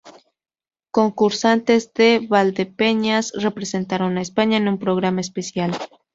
Concursantes de Valdepeñas, representaron a España en un programa especial.